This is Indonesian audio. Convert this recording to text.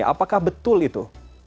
apakah betul itu